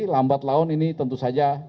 lambat laun ini tentu saja